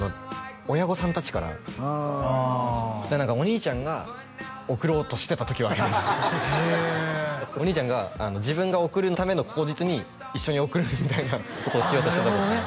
親御さん達からああお兄ちゃんが送ろうとしてた時はありましたへえお兄ちゃんが自分が送るための口実に一緒に送るみたいなことをああなるほどね